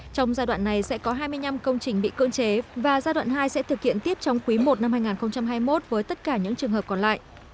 trong giai đoạn này sẽ có hai mươi năm công trình bị cưỡng chế và giai đoạn hai sẽ thực hiện tiếp trong quý i năm hai nghìn hai mươi một với tất cả những trường hợp còn lại